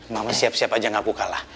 mama siap siap aja ngaku kalah